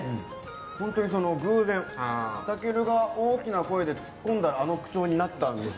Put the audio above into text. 本当に偶然、たけるが大きな声でツッコんだらあの口調になったんですよ。